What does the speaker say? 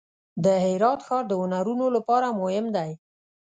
د هرات ښار د هنرونو لپاره مهم دی.